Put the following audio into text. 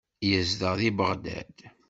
Yezdeɣ deg Beɣdad.